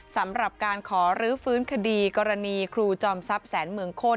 สำหรับการขอรื้อฟื้นคดีกรณีครูจอมทรัพย์แสนเมืองโคตร